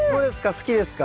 好きですか？